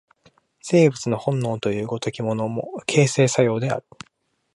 生物の本能という如きものも、形成作用である。